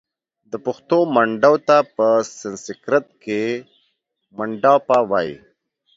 د پښتو منډو Mandaw ته په سنسیکرت کښې Mandapa وايي